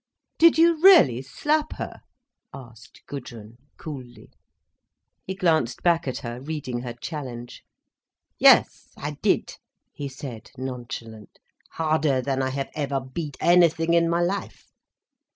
"Did you really slap her?" asked Gudrun, coolly. He glanced back at her, reading her challenge. "Yes, I did," he said, nonchalant, "harder than I have ever beat anything in my life.